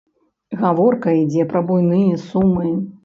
Гаворка ідзе пра буйныя сумы.